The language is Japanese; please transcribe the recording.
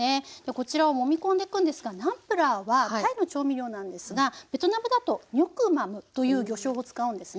こちらをもみ込んでいくんですがナンプラーはタイの調味料なんですがベトナムだとニョクマムという魚しょうを使うんですね。